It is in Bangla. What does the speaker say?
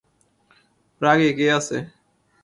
প্রাগে কে আছে?